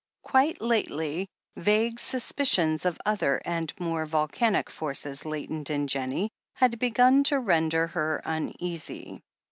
Quite lately^ vague suspicions of other and more volcanic forces latent in Jennie had begun to render her uneasy.